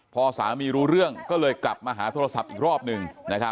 พอสามีรู้เรื่องก็เลยกลับมาหาโทรศัพท์อีกรอบหนึ่ง